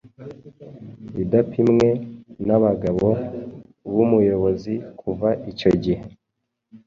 idapimwe nabagabo bumuyobozi kuva icyo gihe